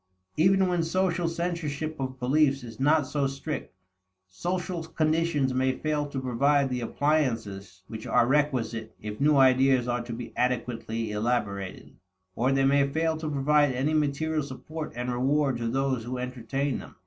Even when social censorship of beliefs is not so strict, social conditions may fail to provide the appliances which are requisite if new ideas are to be adequately elaborated; or they may fail to provide any material support and reward to those who entertain them.